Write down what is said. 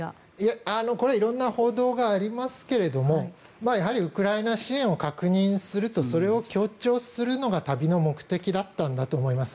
これは色んな報道がありますけれどやはりウクライナ支援を確認するとそれを強調するのが旅の目的だったんだと思います。